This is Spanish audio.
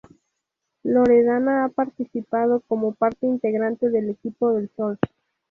Loredana ha participado como parte integrante del equipo del Sol.